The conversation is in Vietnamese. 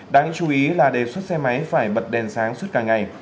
đáng chú ý là đề xuất xe máy phải bật đèn sáng suốt cả ngày